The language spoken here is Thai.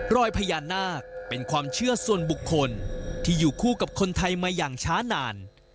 รอยพญานาคเป็นความเชื่อส่วนบุคคลที่อยู่คู่กับคนไทยมาอย่างช้านาน